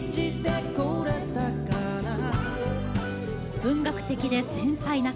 文学的で繊細な歌詞。